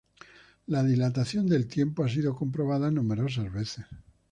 La dilatación del tiempo ha sido comprobada numerosas veces.